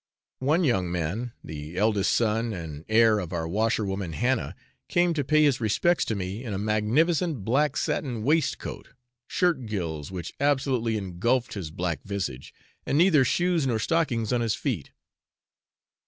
One young man, the eldest son and heir of our washerwoman Hannah, came to pay his respects to me in a magnificent black satin waistcoat, shirt gills which absolutely engulphed his black visage, and neither shoes nor stockings on his feet.